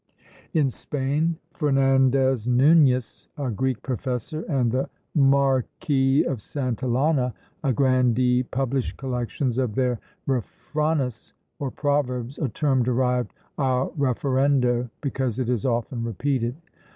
In Spain, Fernandez Nunes, a Greek professor, and the Marquis of Santellana, a grandee, published collections of their Refranes, or Proverbs, a term derived A REFERENDO, because it is often repeated.